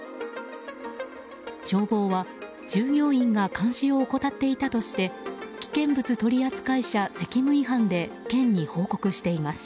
消防は従業員が監視を怠っていたとして危険物取扱者責務違反で県に報告しています。